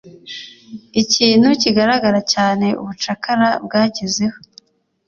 Ikintu kigaragara cyane ubucakara bwagezeho,